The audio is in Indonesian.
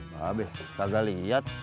babek kagak liat